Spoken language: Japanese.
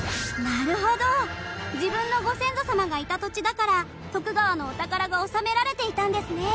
自分のご先祖様がいた土地だから徳川のお宝が納められていたんですね。